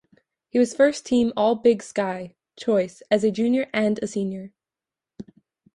He was first-team All-Big Sky choice as a junior and senior.